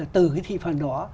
từ cái thị phần đó